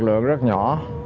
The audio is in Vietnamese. lực lượng rất nhỏ